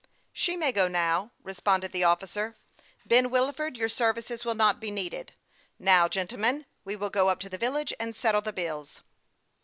" She may go now," responded the officer. " Ben Wilford, your services will not be needed. Now, gentlemen, we will go up to the village and settle the bills."